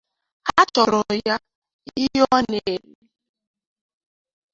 a chọọrọ ya ihe ọ na-eri